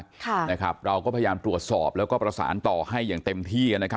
ค่ะนะครับเราก็พยายามตรวจสอบแล้วก็ประสานต่อให้อย่างเต็มที่นะครับ